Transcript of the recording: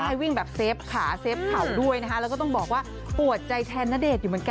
ให้วิ่งแบบเซฟขาเซฟเข่าด้วยนะคะแล้วก็ต้องบอกว่าปวดใจแทนณเดชน์อยู่เหมือนกัน